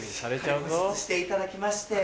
保湿していただきまして。